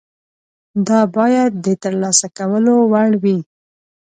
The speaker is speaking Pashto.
دا باید د ترلاسه کولو وړ وي.